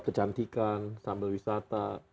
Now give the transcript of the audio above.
kecantikan sambil wisata